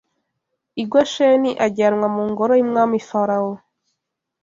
i Gosheni ajyanwa mu ngoro y’umwami Farawo